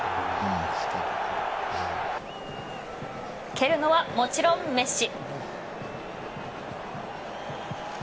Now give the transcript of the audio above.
蹴るのはもちろんメッシ。